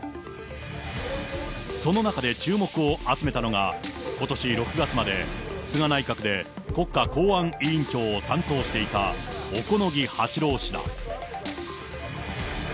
その中で注目を集めたのが、ことし６月まで、菅内閣で国家公安委員長を担当していた小此木八郎氏だ。